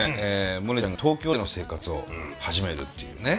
モネちゃんが東京での生活を始めるっていうね。